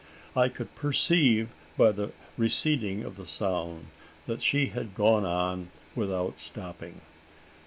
I could perceive by the receding of the sound, that she had gone on without stopping.